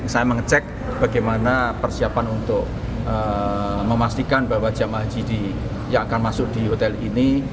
saya mengecek bagaimana persiapan untuk memastikan bahwa jemaah haji yang akan masuk di hotel ini